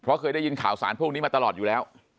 เพราะเคยได้ยินข่าวสารพวกนี้มาตลอดอยู่แล้ว